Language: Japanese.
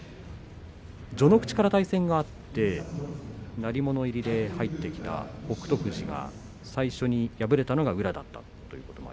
序ノ口から対戦があって鳴り物入りで入ってきた北勝富士が最初に敗れたのが宇良だったということです。